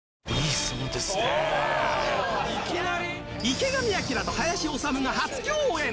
池上彰と林修が初共演！